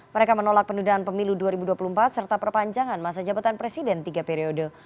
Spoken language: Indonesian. mereka menolak pendudukan pemilu dua ribu dua puluh empat serta perpanjangan masa jabatan presiden tiga periode